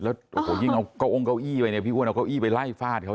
แล้วยิ่งเอาเก้าอ้องเก้าอี้ไปพี่อ้วนเอาเก้าอี้ไปไล่ฟาดเขา